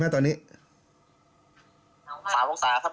เดินทางไปหากันเขาก็เอาดินมาถมครับ